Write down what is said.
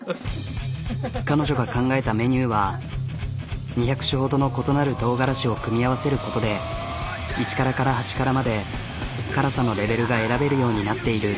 彼女が考えたメニューは２００種ほどの異なるとうがらしを組み合わせることで１辛から８辛まで辛さのレベルが選べるようになっている。